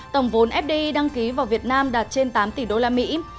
tổng vốn fdi đăng ký vào việt nam đạt trên tám tỷ usd